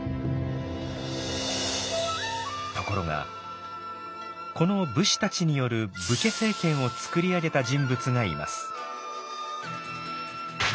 ところがこの武士たちによる武家政権を作り上げた人物がいます。